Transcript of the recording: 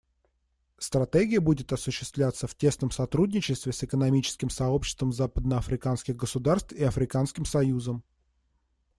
Стратегия будет осуществляться в тесном сотрудничестве с Экономическим сообществом западноафриканских государств и Африканским союзом.